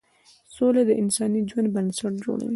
سوله د انساني ژوند بنسټ جوړوي.